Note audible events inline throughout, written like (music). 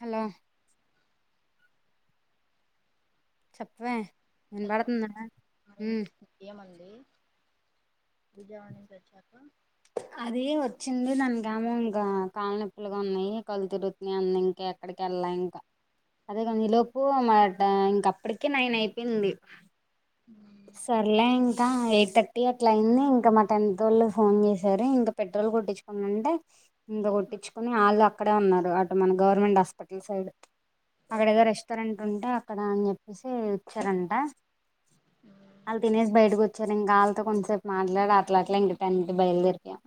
Hello చెప్పవే hello వినబడుతుందా ఆ ఉమ్ వినిపిస్తు ఏమంది విజయవాడ నుంచి వచ్చాక అది వచ్చింది దాని గముంగా కాళనొప్పులుగా ఉన్నాయి కళ్ళు తిరుతున్నాయి అని అంది ఇంకా అక్కడికి వెళ్ళా ఇంకా అదే కం ఈ లోపు మాట ఇంకప్పటికే నైన్ అయిపేంది సర్లే ఇంకా ఎయిట్ థర్టీ అట్లా అయింది ఇంకా మా టెన్తోళ్లు ఫోన్ చేశారు ఇంకా పెట్టు రలు కొట్టించుకునింటే ఇంత కొట్టించుకని ఆళ్ళు అక్కడే ఉన్నారు అటు మన గవర్నమెంట్ హాస్పిటల్ సైడ్ అక్కడగా ఓకే రెస్టారెంట్ ఉంటే అక్కడ అని చెప్పేసి ఇచ్చారంట సరే ఇంకా ఆలతో కొంతసేపు మాట్లాడు అట్లా అట్లా ఇంకటంటి బయలుదేరిపోయం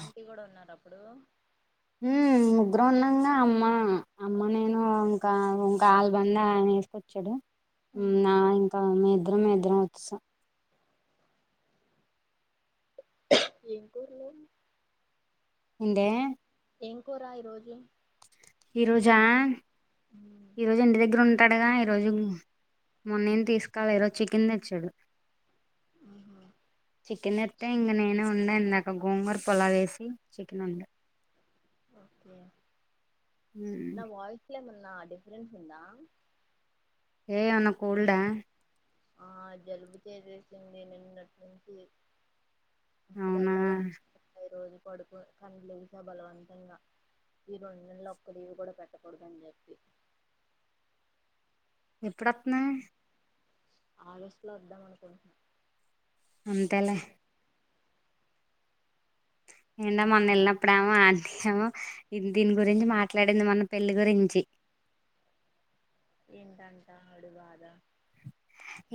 ఆంటీ కూడా ఉన్నారు అప్పుడు ఉ ముగ్గురం ఉన్నాంగా అమ్మా అమ్మ నేను ఇంకా ఇంకా ఆల్బంద ఆయన వేసుకొచ్చాడు ఉమ్ నా ఇంకా మీద్దరం మీద్దరం వచ్చేశాం ఏం కూర్లే ఎంటే ఏం కూర ఈరోజు ఈరోజా ఈరోజు ఇంటి దగ్గర ఉన్ త్తడగా ఈరోజు మొన్నేం తీసుకోలే ఈరోజు చికెన్ తెచ్చాడు చికెన్ ఎట్ట ఇంక నేనే వండా ఇందాక గోంగూర పలావ్ వేసి చికెన్ వండ ఓకే నా వయిస్లే ఏమ నా డిఫరెన్స్ ఉందా ఏమన్నా కోల్డా ఆ జలుబు చేసేసింది నిన్నటి నుంచి అసలు అవునా ఎల్లాల (inaudible) ఈరోజు పడుకొ కాని లేసిన బలవంతంగా ఈ రెండు నెలలు ఒక్క లీవ్ కూడా పెట్టకూడదు అని చెప్పి ఎప్పుడోత్నావు ఆగస్ట్ లో వద్దాం అనుకుంటున్న అంతేలే నిన్న మొన్న వెళ్ళినప్పుడు ఏమో అచ్చం దీని గురించి మాట్లాడింది మన పెళ్లి గురించి ఏంటంట వాడి బాధ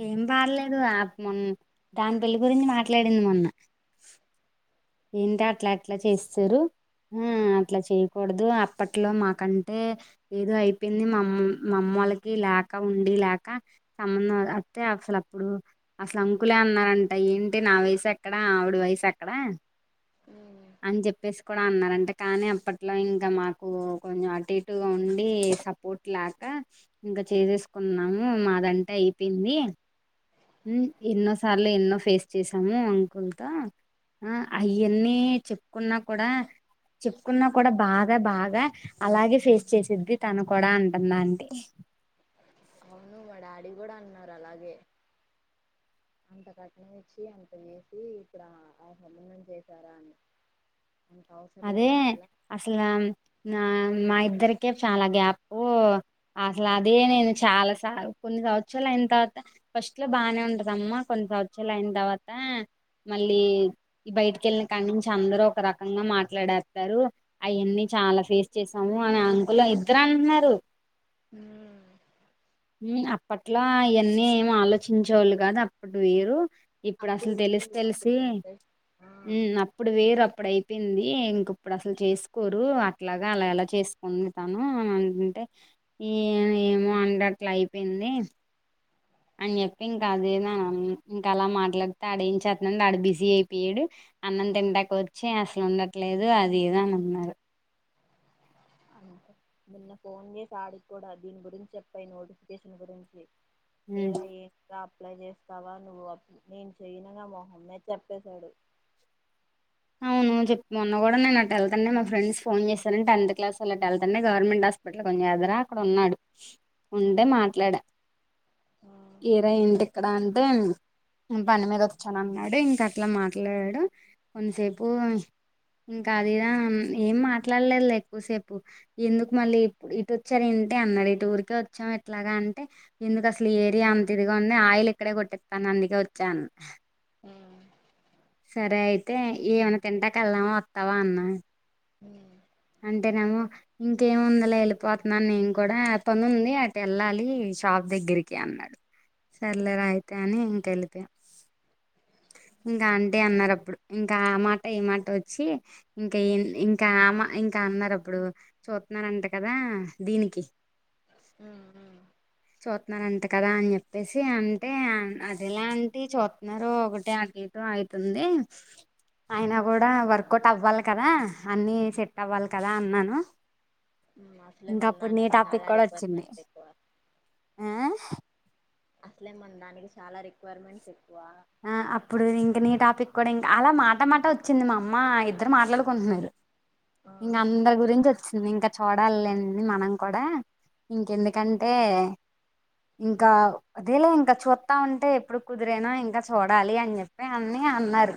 ఏం పాడలేదు మొన్న దాని పెళ్లిి గురించి మాట్లాడింది మొన్న ఏంటి అట్ల ఇట్ల చేసేసారు ఆ అట్లా చెయ్యకూడదు అప్పట్లో మాకంటే ఏదో అయిపోయింది మమ్ మమ్ వాళ్ళకి లేక ఉండి లేక సంబంధం వత్తే అసలు అప్పుడు అసలు అంకులే అన్న అంట ఏంటి నా వయసు ఎక్కడ ఆవిడ వయసు ఎక్కడ ఉమ్ అని చెప్పేసి కూడ అన్నారంట కానీ అప్పట్లో ఇంక మాకు కొంచెం అటు ఇటుగా ఉండి సపోర్ట్ లేక ఇంకా చేసేసుకున్నాము మాదంటే అయిపోయింది ఉమ్, ఎన్నోసార్లు ఎన్నో ఫేస్ చేసాము అంకుల్ తో అయన్నీ చెప్పుకున్నా కూడా చెప్పుకున్నా కూడా బాగా బాగా అలాగే ఫేస్ చేసిద్ది తను కూడా అంటుంద ఆంటీ అవును మా డాడీ గుడా అన్నారు అలాగే అంత కట్నం ఇచ్చి అంత చేసి ఇప్పుడు ఆ సంబంధం చేసారా అని అంత అవసరం అదే లేదు అసల అసల మ్ నా మా ఇద్దరికే చాలా గ్యాపు అసలే అదే నేను చాలా సార్లు అనుకున్న కొన్ని సంవత్సరాలు అయినా తర్వాత ఫస్ట్ లో బానే ఉంటదమ్మా కొన్ని సంవత్సరాలు అయిన తర్వాత మళ్ళీ ఈ బయటికెళ్ళిన కానుంచి అందరు ఒక రకంగా మాట్ మాట్లాడెత్తరు అయన్నీ చాలా ఫేస్ చేసాము అని అంకులు ఇద్దరు అంటున్నారు మ్మ్ మ్మ్ అప్పట్లో అయన్నీ ఏం ఆలోచించే వాళ్లు కాదు అప్పడు వేరు ఇప్పుడు అప్పుడు అసలు తెలిసి వేరు అప్పుడు తెలిసి జనరేషన్ ఆ మ్మ్ అప్పుడు వేరు అప్పుడు అయిపోయింది ఈ ఇంక ఇప్పుడు అసలు చేసుకోరు అట్లగా అలా ఎలా చేసుకుంటాను అని అంటుంటే ఏమ్ ఏమో అంత అట్లయిపోయింది అని చెప్పి ఇంకా అదే నా ఇంకా అలా మాట్లాడితే ఆడేంచేత్తన్నాడు వాడు బిజీ అయిపోయాడు అన్నం తింటాక వచ్చి అసలు ఉండట్లేదు అది ఇది అని అన్నారు అంతే నిన్న ఫోన్ చేసి ఆడికి కూడ దీని గురించి చెప్పేయ్ నోటిఫికేషన్ గురించి హ్మ్. ఏరా ఏంట్రా అప్లై చేస్తావా నువ్వు అప్ నేను చేయనని మొహం మీద చెప్పేశాడు అవును చెప్ మొన్న కూడా నేన్ అట్ వెళ్తండి మా ఫ్రెండ్స్ ఫోన్ చేసారు టెన్త్ క్లాస్ వాళ్లు అటు వెళ్తుంటే గవర్మెంట్ హాస్పిటల్ కొంచె అదర అక్కడ ఉన్నాడు ఉంటే ఉమ్ మాట్లాడా ఉమ్ ఏరా ఏంటి ఇక్కడ అన్ టే పని మీద వచ్చానన్నాడు ఇంక అట్లే మాట్లాడాడు కొంసేపు ఇంకా అది ఇది ఏం మాట్లాడలేదు ఎక్కువసేపు ఎందుకు మళ్ళీ ఇప్పుడు ఇటోచ్చారు ఏం అంటే అన్నడు ఈ టూర్కే వచ్చాం ఎట్లాగా అంటే ఎందుకు అసలు ఈ ఏరియా అంత ఇదిగా ఉంది ఆయిల్ ఇక్కడే కొట్టిత్తాను అందుకే వచ్చా అన్న సరే అయితే ఏమైనా తింటాక వెళ్ళామా వత్తావా అన్నాడు మ్మ్ అంటేనేమో ఇంకేముందిలే వెళ్ళిపోతున్నా నేను కూడా పనుంది అటెళ్ళాలి షాప్ దగ్గరికి అన్నాడు ఉమ్ సర్లేరా అయితే అని ఇంకా వెళ్ళిపోయ్యామ్ ఇంకా అంటీ అన్నారు అప్పుడు ఇంకా ఆ మాట ఈ మాట వచ్చి ఇంకె ఇంకా ఆమ ఇంకా అన్నారు అప్పుడు చూత్తున్నారంట కదా దీనికి ఉం ఉం (unintelligible) చూత్తున్నారంట కదా అని చెప్పేసి అంటే అదేలా అంటి చూత్తున్నార ఒకటే ఎతు ఆయితుంది అయినా కూడా వర్కౌట్ అవ్వాలి కదా అన్నీ సెట్ అవ్వాలి కదా అన్నాను అసలే ఇంకా మన అప్పుడు నీ దానికి టాపిక్ చాలా కూడా వచ్చింది రిక్వైర్మెంట్స్ ఎక్కువ ఆ అసలే మన దానికి చాలా రిక్వైర్మెంట్స్ ఎక్కువ ఆ అప్పుడు ఇంకా నీ టాపిక్ కూడా ఇంకా అలా మాట మాట వచ్చింది మా అమ్మ ఇద్దరు మాట్లాడుకుంటున్నారు ఆ ఇంక అందరి గురించి వచ్చింది ఇంకా చూడాలి మనం కూడా ఇంకెందుకంటే ఇంకా అదేలే ఇంకా చూస్తా ఉంటే ఎప్పుడు కుదిరేనా ఇంకా చూడాలి అని చెప్పి అన్ని అన్నారు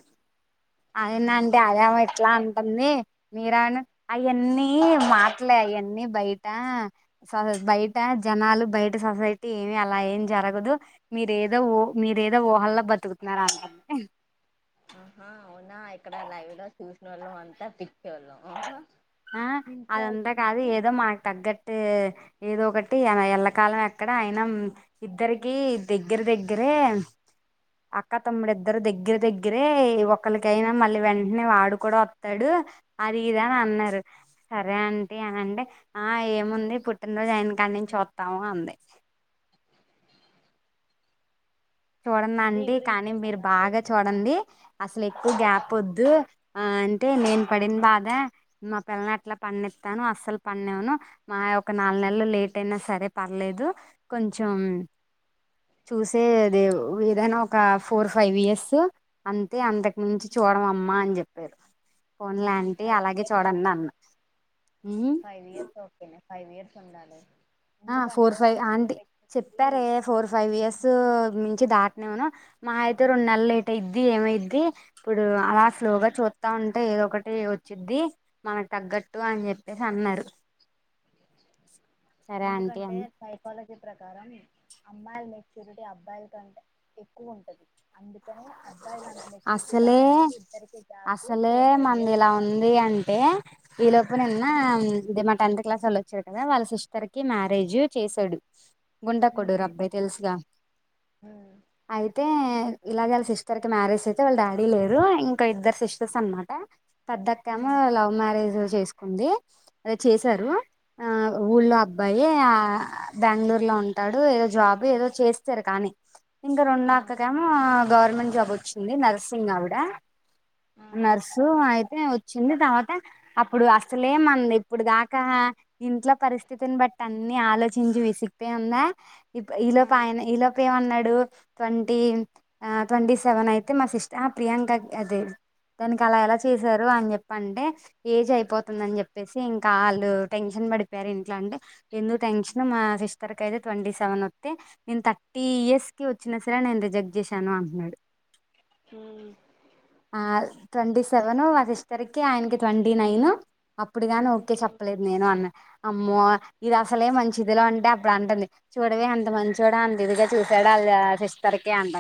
ఆయన అంటే ఆదమ (unintelligible) ఎట్లా అంటుంది మీరా అవన్నీ మాటలే అవన్నీ బయట బయట జ (unintelligible) జనాలు బయట సొసైటీ ఏమి అలా ఏం జరగదు మీరేదో మీరేదో ఊహల్లో బతుకుతున్నా అ (unintelligible) ఆహా అవునా ఇక్కడ లైవ్ లో చూసనోళ్ళ అంతా పిక్ ఆ అది అంతా వాళ్ళు కాదు నుండి ఏదో మాకు తగ్గట్టు ఏదో ఒకటి ఎళ్లకాలం ఎక్కడ అయిన ఇద్దరిక దగ్గర దగ్గరే అక్క తమ్ముడు ఇద్దరు దగ్గర దగ్గరే ఒకరికైనా మళ్ళీ వెంటనే వాడు కూడా వత్తాడు అది ఇదా అని అన్నారు సరే అంటీ అంటే ఆ ఏముంది పుట్టినరోజు ఆయన కాడి నుంచి కొత్తామ అంది చూడండి నీ అండి గురించి కానీ మీరు ఏమన్నారు బాగా చెప్పు చూడండి అసలు ఎక్కువ గ్యాప్ పొద్దు ఆ అంటే నేను పడిన బాధ మా పిల్లని ఎట్లా పన్నిస్తాను అస్సలు పన్నె నను మా ఒక నాలుగు నెలలు లేట్ అయినా సరే పర్లేదు కొంచెం చూసే అదే ఏదైనా ఒక ఫోర్ ఫైవ్ ఇయర్స్ అంతే అంతకు మించి చూడం అమ్మా అని చెప్పారు ఫోన్ లాంటి ఫైవ్ అలాగే ఇయర్స్ చూడండి అన్న ఉండాలి హ్మ్ ఫైవ్ ఇయర్స్ ఓకేనే ఫైవ్ ఇయర్స్ ఉండాలి ఆ ఫోర్ ఎందుకంటే ఫైవ్ అమ్మాయిల ఆంటీ మెచ్యూరిటీ చెప్పారే ఫోర్ ఫైవ్ ఇయర్స్ మించి దాట్ నేవును మా అయితే రెండు నెల లేట్ అయిది ఏమైది ఇప్పుడు అలా స్లోగా చూస్తా ఉంటే (unintelligible) ఏదొకటి వచ్చిద్ది మనకు తగ్గట్టు అని చెప్పేసి అన్నారు సరే ఆంటీ ఎందుకంటే అని సైకాలజీ ప్రకారం అమ్మాయిల మెచ్యూరిటీ అబ్బాయిల కంటే ఎక్కువ ఉంటది అందు అసలే ఇద్దరికి గ్యాప్ అసలే ఫోర్ ఫైవ్ మంది ఇయర్స్ ఇలా ఉండాలి ఉంది అంటే ఇలో (unintelligible) ఇప్పుడు నిన్న ఇది మా టెన్త్ క్లాస్ వాళ్ళ వచ్చారు కదా వాళ్ళ సిస్టర్ కి మ్యారేజ్ చేసాడు గుండ ఉమ్ కొడురు అబ్బాయి తెలుసుగా ఉమ్ అయితే ఇలాగలు సిస్టర్ కి మ్యారేజ్ అయితే వాళ్ళ డాడీ లేరు ఇంకా ఇద్దరు సిస్టర్స్ అనమాట పెద్దక్కెమో ఉమ్ లవ్ మ్యారేజ్ చేసుకుంది అద (unintelligible) ఉమ్ చేశారు ఆ ఊళ్ళో అబ్బాయి ఆ ఆ బెంగళూరు లో ఉంటాడు ఏదో జాబ్ ఏదో చేస్తారు కానీ ఇంకా రెండో ఆ అక్కకు ఏమో గవర్నమెంట్ జాబ్ వచ్చింది నర్సింగ్ ఆవిడ ఆ నర్సు అయితే వచ్చింది తర్వాత అప్పుడు అసలేమంది ఇప్పుడు దాకా ఇంట్లో పరిస్థితిని బట్టి అన్ని ఆలోచించి విసిగిపోయి ఉందా ఈ ఆ లోపు ఆయన నాతో ఏమన్నాడు ట్వంటీ న్త్ ఆ ట్వంటీ సెవెన్ అయితే మా సిస్టర్ ఆ ప్రియాంక అదే అదే తనకు అలా ఎలా చేశారు అని చెప్పి అంటే ఏజ్ అయిపోతుందాని అని చెప్పేసి ఇంకా వాళ్లు టెన్షన్ పడిపోయారు ఇంట్లో అంటే ఎందుకు టెన్షన్ మా సిస్టర్ కు అయితే ట్వంటీ సెవెన్ వత్తె నేను థర్టీ ఇయర్స్ కి వచ్చినా సరే నేను రిజెక్ట్ చేశాను అంటున్నాడు మ్మ్ ఆ ట్వంటీ సెవెన్ మా సిస్టర్ కి ఆయనకి ట్వంటీ నైన్ అప్పుడు గాని ఓకే చెప్పలేదు నేను అమ్మో ఇది అసలే మంచిదిలే అంటే అప్పుడు అంటుంది చూడవే ఎంత మంచొడొ అంటివి చూసాడ వాళ్ళ్ సిస్టర్ కి అంటా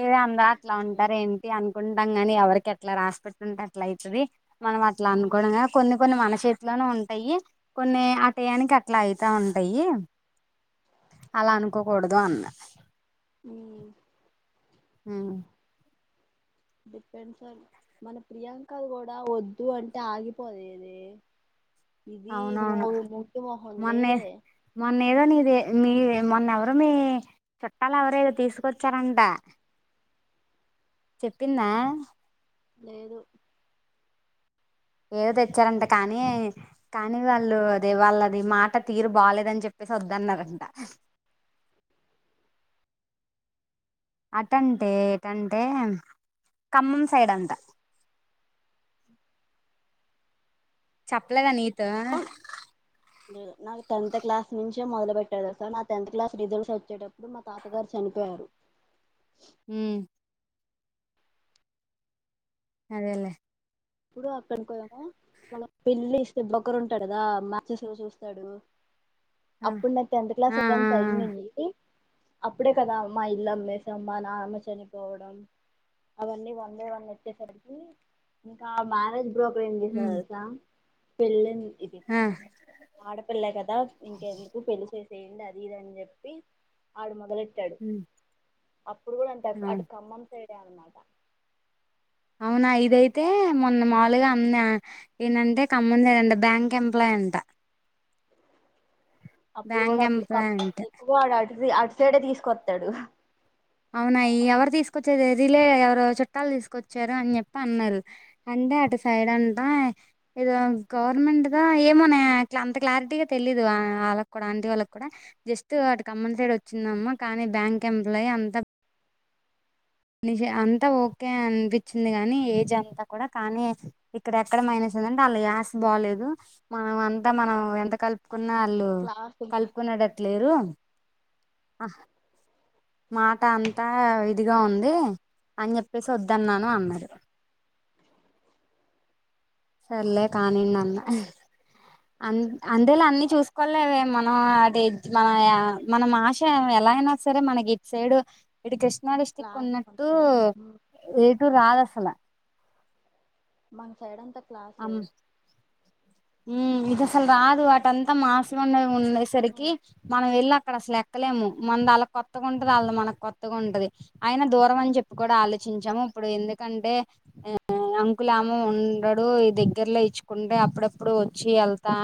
ఇగొ అందా అట్లా ఉంటారు ఏంటి అనుకుంటా కాని ఎవరికి ఎట్లా రాసి పెట్టుంటే అట్ల అయితది మనం అట్లా అనుకొవడమే కొన్ని కొన్ని మన చేతిలో నే ఉంటా ఉంటాయి కొన్ని ఆ టయానికి అట్లా అయితా ఉంటాయి అలా అనుకోకూడదు అన్న మ్మ్ ఉను మనం ప్రియాంకది కూడా వద్దు అంటే ఆగిపోలేదే ఇది అవునవును మూరుడు ముచ్చ మొహందీ మొన్నే మొన్న ఏదో నీది మీ మొన్న ఎవరో మీ చుట్టాలు ఎవరో తీసుకొచ్చారంట చెప్పిందా లేదు ఎవరో తెచ్చారంట కానీ కానీ వాళ్ళు అదే వాళ్ళది మాట తీరు బాలేదని చెప్పి సి వద్దన్నారాంట అతన్ తో ఏటంటే ఖమ్మం సైడ్ అంట చెప్పలేదా నీతో నాకు టెన్త్ క్లాస్ నుంచే మొదలు పెట్టారు సో నా టెన్త్ క్లాస్ రిజల్ట్స్ వచ్చేటప్పుడు మా తాతగారు చనిపోయారు మ్మ్ అదేలేే పెళ్లి చేసే బ్రోకర్ ఉంటాడు కదా మ్యాచెస్ ఏవో చూస్తాడు ఆ అప్పుడు నా టెన్త్ క్లాస్ ఆ ఆ ఎగ్జామ్స్ అయినింది అప్పుడే కదా మా ఇల్లు అమ్మేసాం మా నాన్న చనిపోయడని అవన్నీ వన్ బై వన్ వచ్చేసరికి ఇంకా మ్యారేజ్ బ్రోకర్ ఏం చేసాడో ఉమ్ తెలుసా పెళ్లి ఇది ఆ ఆడపిల్ల కదా ఇంకెందుకు పెళ్లి చేసి చేయండి అది ఇది అని చెప్పి ఆడు మొదలెట్టాడు ఉమ్ అప్పుడు కూడా అంతే అటు అవును కమ్మం సైడే అన్నమాట అవునా ఇది అయితే మొన్న మాములుగా అమ్మ ఏందటే ఖమ్మం లో ఎదో బ్యాంక్ ఎంప్లాయ్ అంటా అప్పుడు కూడా అప్పుడు క ఎంప్లాయ్ అంట ఎక్కువగా అటు సైడే తీసుకొస్తాడు అవునా ఎవరు తీసుకొచ్చారు ఇదిలే ఎవరో చుట్టాలు తీసుకొచ్చారు అని చెప్పి అన్నారు కాని అటు సైడ్ అంటా ఎదో గవర్నమెంట్ దా ఏమోనే అంత క్లారిటీగా తెలీదు వాళ్ళకు కూడా ఆంటి వాళ్ళకు కూడా జస్ట్ అటు ఖమ్మం సైడ్ వచ్చిందమ్మా కానీ బ్యాంక్ ఎంప్లాయ్ అ ని అంతా ఓకే అనిపించింది కాని ఏజ్ అంతా కూడా కానీ ఇక్కడ ఎక్కడ మైనస్ ఆస్తిబాలేదు మనం అంతా మనం ఎంత కలిపి కున్నా వాళ్ళు క్లాస్ కలుపుకునే టట్లు లేరు మాట అంతా ఇదిగా ఉంది అని చెప్పేసి వద్దు అన్నరు సర్లే కానీయండి అన్న అ అంతేలా అన్ని చూసుకోవలేవ మనం అ మన మనం ఆష ఎలా అయినా సరే మనకి ఇట్ సైడు ఇడు కృష్ణ కృష్ణ డిస్టిక్ క్లాస్ ఉన్నట్టు వస్తాడు ఏటు రాదు ఆసలు మన సైడ్ అంతా క్లాసే ఇది అసలు రాదు అటుఅంత మాసులోనే ఉండేసరికి మనం వెళ్ళ అక్కడ అసలు ఎక్కలేము మనది వాళ్ళ కొత్తగా ఉంటది వాళ్ళ మనకు కొత్తగా ఉంటది అయినా దూరం అని చెప్ప కూడా ఆలోచించమూ ఇప్పుడు ఎందుకంటే ఆ అంకుల్ ఏమో ఉండడు ఇప్పుడు ఈ దగ్గరలో ఇచ్చుకుంటే అప్పుడప్పుడు వచ్చి వెళ్తా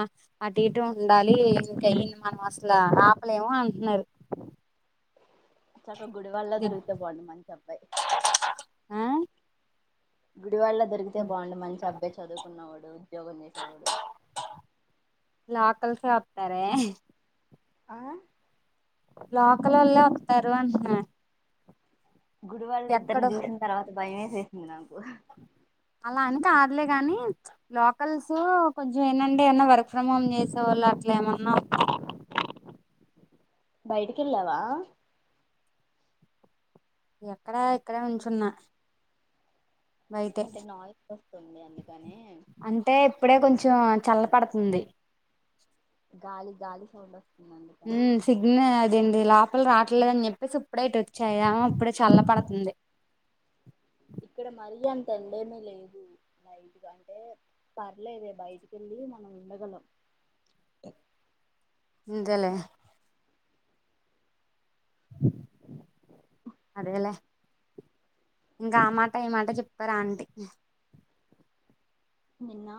అటు ఇటు ఉండాలి ఇం మనము ఆసలా ఆపలేమో అంటున్నారు చక్కగా గుడివాడలో దొరికితే అయిపోవు మంచి అబ్బాయి ఆ గుడివాడలో దొరికితే బాగుండు మంచి అబ్బాయి చదువుకున్నవాడు ఉద్యోగం చేసేవాడు నాకు ఎవరు ఆప్తారే ఆ లోకల లోలే వస్తారు అంటున్నారు గుడివాడలో ఇద్దరుని చూసిన తర్వాత భయమేసేసింది నాకు అలా అని కాదులే కాని లోకల్స్ కొంచెం ఏంటంటే ఏమన్న వర్క్ ఫ్రమ్ హోమ్ చేసేవాళ్ళు ఇలా అట్లే ఏమన్నా బయటికి వెళ్ళావా ఎక్కడ ఇక్కడే నిలుచున్న అంటే నాలేజ్ వస్తుంది అందుకని అంటే ఇప్పుడే కొంచెం చల్ల పడుతుంది గాలి గాలి సౌండ్ వస్తుంది అందుకని ఉ సిగ్నల్ అదేంది లోపల రావట్లేదుని చెప్పేసి ఇప్పుడే ఇటు వచ్చాయ అప్పుడే చల్ల పడుతుంది అంటే ఇక్కడ మరి అంత ఎండ లేదు నైట్ అంటే పర్లేదే బయటికిళ్ళ మనం ఉడగలం అంతేలే ఉ అదేలే ఇంకా ఆ మాట ఈ మాట చెప్పారు ఆంటీ నిన్న